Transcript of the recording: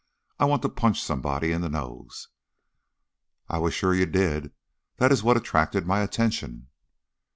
I I want to punch somebody in the nose." "I was sure you did. That is what attracted my attention."